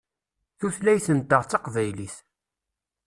Tutlayt-nteɣ d taqbaylit.